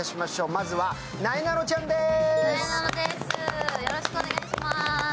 まずは、なえなのちゃんです。